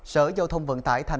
sở giao thông vận tải tp hcm